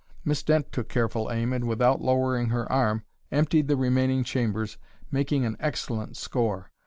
Miss Dent took careful aim and, without lowering her arm, emptied the remaining chambers, making an excellent score.